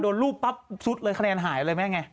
รูปปั๊บซุดเลยคะแนนหายเลยแม่ไง